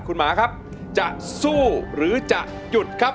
คุณหมาครับจะสู้หรือจะหยุดครับ